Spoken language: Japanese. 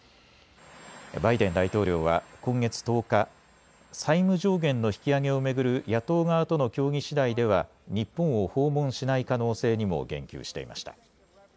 バイデン大統領は今月１０日、債務上限の引き上げを巡る野党側との協議しだいでは日本を訪問しない可能性にも言及していました。